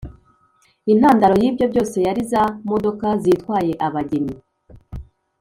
intandaro y’ibyo byose yari za modoka zitwaye abageni.